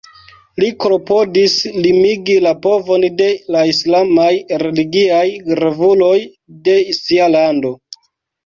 Li klopodis limigi la povon de la islamaj religiaj gravuloj de sia lando.